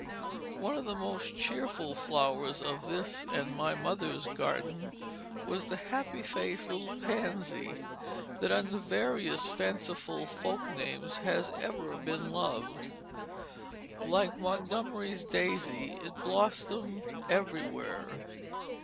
One of the most cheerful flowers of this and of my mother's garden was the happy faced little pansy that under various fanciful folk names has ever been loved. Like Montgomery's daisy, it "blossomed everywhere."